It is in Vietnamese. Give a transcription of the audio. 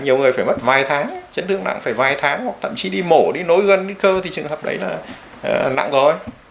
nhiều người phải mất vài tháng chấn thương đặng phải vài tháng hoặc thậm chí đi mổ đi nối gân với cơ thì trường hợp đấy là nặng rồi